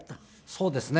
そうですね。